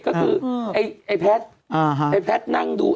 ก็คือไอ้แพสนั่งดู